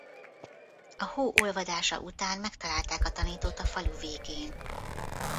A hó olvadása után megtalálták a tanítót a falu végén.